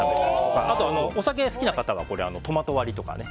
あとはお酒が好きな方はトマト割りとかね。